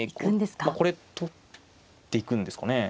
まあこれ取っていくんですかね。